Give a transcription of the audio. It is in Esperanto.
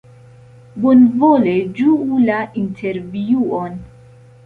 Bonvole ĝuu la intervjuon!